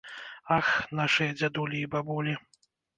Ах, нашыя дзядулі і бабулі!